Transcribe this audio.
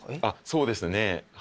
そうですね。